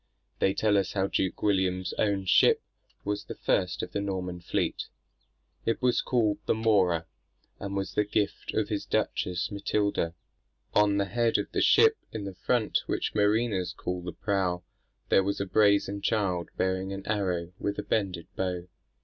They tell us how Duke William's own ship was the first of the Norman fleet. "It was called the Mora, and was the gift of his duchess, Matilda. On the head of the ship in the front, which mariners call the prow, there was a brazen child bearing an arrow with a bended bow.